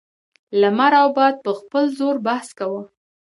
لمر او باد په خپل زور بحث کاوه.